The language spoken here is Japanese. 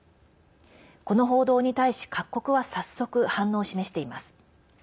この報道に対し各国は早速、反応を示してます。